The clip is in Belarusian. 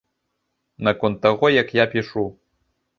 Наконт таго, як я пішу.